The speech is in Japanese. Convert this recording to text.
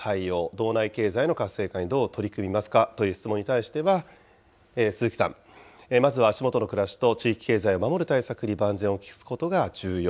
・道内経済の活性化にどう取り組みますかという質問に対しては、鈴木さん、まずは足元の暮らしと地域経済を守る対策に万全を期すことが重要。